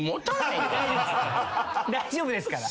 大丈夫ですから。